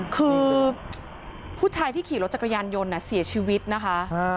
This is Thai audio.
คือผู้ชายที่ขี่รถจักรยานยนต์เสียชีวิตนะคะ